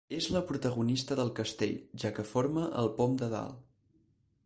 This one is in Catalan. És la protagonista del castell, ja que forma el pom de dalt.